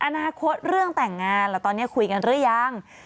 อนาคตเรื่องแต่งงานแล้วตอนนี้คุยกันหรือยัง